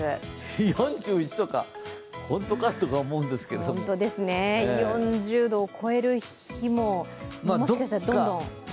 ４１度か、本当かと思うんですけど４０度を超える日も、もしかしたらどんどん。